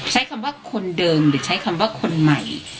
ใช้คำว่าคนเดิมหรือใช้คำว่าคนใหม่